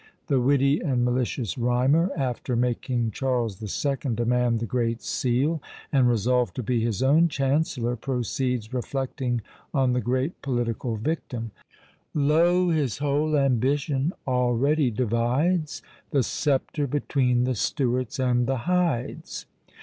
The witty and malicious rhymer, after making Charles the Second demand the Great Seal, and resolve to be his own chancellor, proceeds, reflecting on the great political victim: Lo! his whole ambition already divides The sceptre between the Stuarts and the Hydes.